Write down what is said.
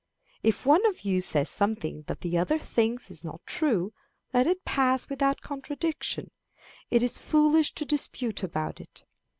If one of you says something that the other thinks is not true, let it pass without contradiction; it is foolish to dispute about it.